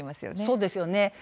そうですよね。